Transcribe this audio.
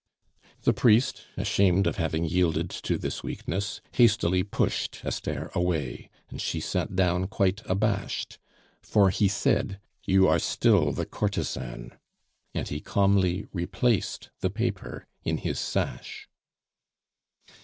The priest, ashamed of having yielded to this weakness, hastily pushed Esther away, and she sat down quite abashed, for he said: "You are still the courtesan." And he calmly replaced the paper in his sash.